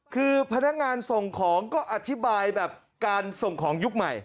คือพนักงานส่งของก็อธิบายแบบการส่งของยุคใหม่